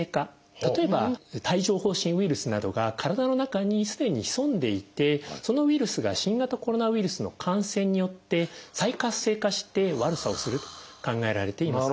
例えば帯状ほう疹ウイルスなどが体の中にすでに潜んでいてそのウイルスが新型コロナウイルスの感染によって再活性化して悪さをすると考えられています。